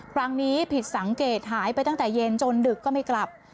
ครั้งนี้ผิดสังเกตหายไปตั้งแต่เย็นจนดึกก็ไม่กลับ